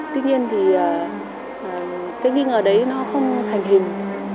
tuy nhiên thì cái nghi ngờ đấy nó không thành hình